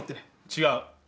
違う。